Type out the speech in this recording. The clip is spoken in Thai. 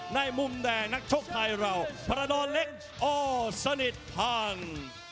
ในมุมแดงนักชกไทยเราประดอนเล็กอสนิทพัง